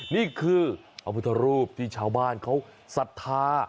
นี่คือพระพุทธรูปที่ชาวบ้านเขาศรัทธา